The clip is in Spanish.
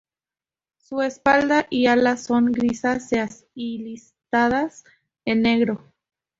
Su espalda y alas son grisáceas y listadas en negro.